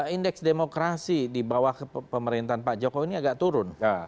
indeks demokrasi di bawah pemerintahan pak jokowi ini agak turun